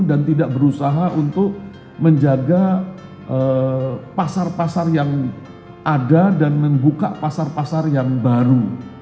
dan tidak berusaha untuk menjaga pasar pasar yang ada dan membuka pasar pasar yang baru